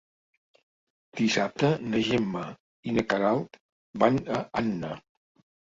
Dissabte na Gemma i na Queralt van a Anna.